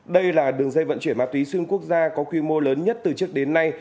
đây là đường dây vận chuyển ma túy xuyên quốc gia có quy mô lớn nhất từ trước đến nay